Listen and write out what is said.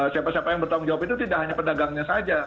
siapa siapa yang bertanggung jawab itu tidak hanya pedagangnya saja